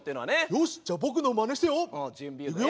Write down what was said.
「よしじゃあ僕のまねしてよ。いくよ！